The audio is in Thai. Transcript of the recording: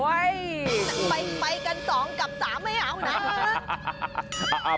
ไปกัน๒กับ๓ไม่เอานะ